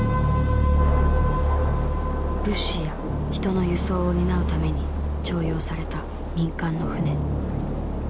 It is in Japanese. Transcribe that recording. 物資や人の輸送を担うために徴用された民間の船。